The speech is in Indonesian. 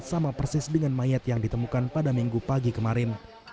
sama persis dengan mayat yang ditemukan pada minggu pagi kemarin